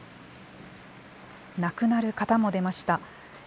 亡くなる方も出ました。